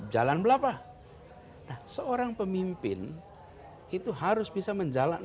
jalan belapah seorang pemimpin itu harus bisa menjalan